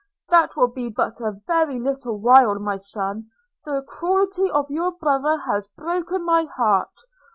!' 'That will be but a very little while, my son! the cruelty of your brother has broken my heart!